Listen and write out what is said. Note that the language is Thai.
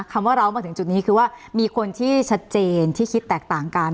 คำว่าเรามาถึงจุดนี้คือว่ามีคนที่ชัดเจนที่คิดแตกต่างกัน